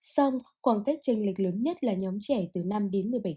xong khoảng cách tranh lệch lớn nhất là nhóm trẻ từ năm đến một mươi bảy tuổi